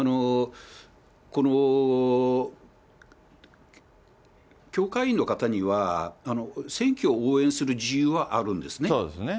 この教会員の方には、選挙を応援する自由はあるんですね。